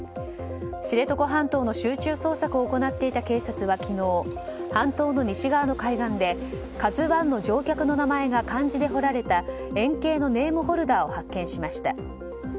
知床半島の集中捜索を行っていた警察は昨日半島の西側の海岸で「ＫＡＺＵ１」の乗客の名前が漢字で掘られた円形のネームホルダーを発見しました。